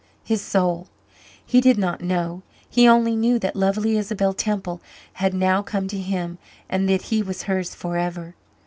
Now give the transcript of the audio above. his soul? He did not know. He only knew that lovely Isabel Temple had now come to him and that he was hers forever.